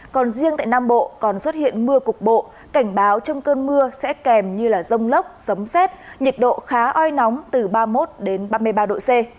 còn riêng tại nam bộ còn xuất hiện mưa cục bộ cảnh báo trong cơn mưa sẽ kèm như rông lốc sấm xét nhiệt độ khá oi nóng từ ba mươi một ba mươi ba độ c